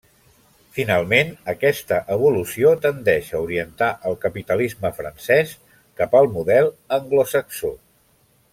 Finalment, aquesta evolució tendeix a orientar el capitalisme francès cap al model anglosaxó.